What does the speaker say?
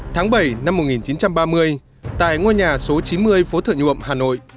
tháng bảy năm một nghìn chín trăm ba mươi tại ngôi nhà số chín mươi phố thợ nhuộm hà nội